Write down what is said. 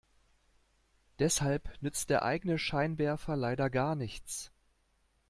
Deshalb nützt der eigene Scheinwerfer leider gar nichts.